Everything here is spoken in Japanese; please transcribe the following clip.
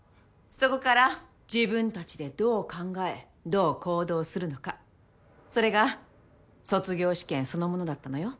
そこから自分たちでどう考えどう行動するのかそれが卒業試験そのものだったのよ。